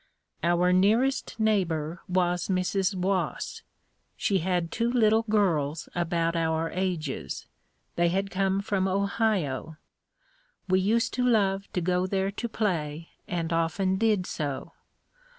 Our nearest neighbor was Mrs. Wass. She had two little girls about our ages. They had come from Ohio. We used to love to go there to play and often did so.